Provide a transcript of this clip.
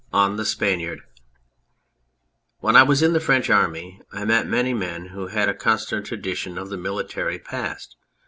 228 THE SPANIARD WHEN I was in the French Army I met many men who had a constant tradition of the military past.